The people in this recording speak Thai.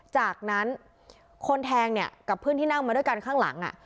จากนั้นคนแทงเนี่ยกับเพื่อนที่นั่งมาด้วยกันข้างหลัง